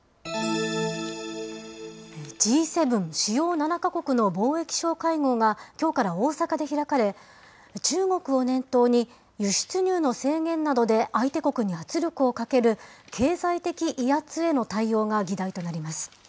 Ｇ７・主要７か国の貿易相会合がきょうから大阪で開かれ、中国を念頭に輸出入の制限などで相手国に圧力をかける経済的威圧への対応が議題となります。